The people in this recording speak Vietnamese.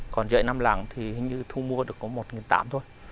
còn dưỡng năm làng thì hình như thu mua được có một tám trăm linh thôi